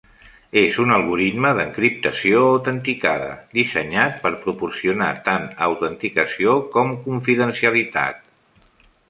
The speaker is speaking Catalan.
És un algoritme d'encriptació autenticada dissenyat per proporcionar tant autenticació com confidencialitat.